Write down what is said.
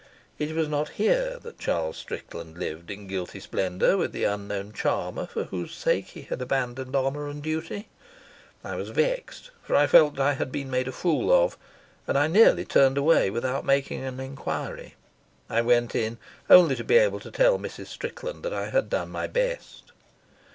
It was not here that Charles Strickland lived in guilty splendour with the unknown charmer for whose sake he had abandoned honour and duty. I was vexed, for I felt that I had been made a fool of, and I nearly turned away without making an enquiry. I went in only to be able to tell Mrs. Strickland that I had done my best.